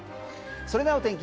それではお天気